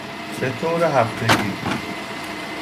به طور هفتگی